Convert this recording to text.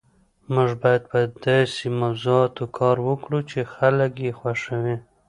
موږ باید په داسې موضوعاتو کار وکړو چې خلک یې خوښوي